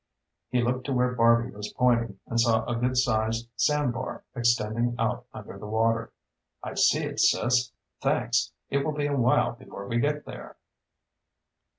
He looked to where Barby was pointing and saw a good sized sand bar extending out under the water. "I see it, Sis. Thanks. It will be a while before we get there."